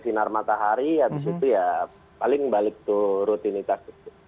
sinar matahari habis itu ya paling balik tuh rutinitas